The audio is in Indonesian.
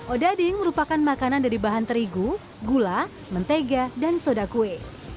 odading merupakan makanan dari bahan terigu gula mentega dan soda kue